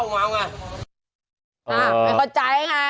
ไม่ได้มีปัญหาเครื่องแคบอ่ะ